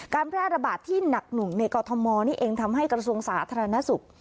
การแพร่ระบาดที่หนักหนุ่งในกอทมนี่เองทำให้กระทรวงศาสตร์ธรรณสุพธิ์